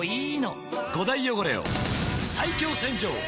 ５大汚れを最強洗浄！